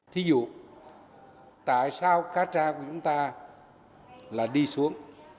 thí dụ tại sao cà trà của chúng ta là đi xuống